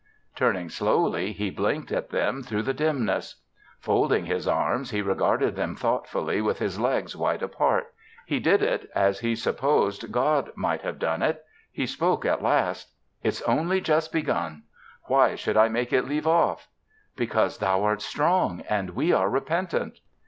Turning slowly, he blinked at them through the dimness. Folding his arms, he regarded them thoughtfully with his legs wide apart. He did it as he supposed God might have done it. He spoke at last. "It's only just begun. Why should I make it leave off?" "Because thou art strong and we are repentant."